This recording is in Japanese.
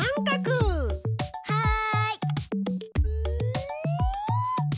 はい！